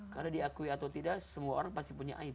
karena diakui atau tidak semua orang pasti punya aib